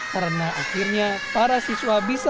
karena akhirnya para siswa bisa kembali ke sekolah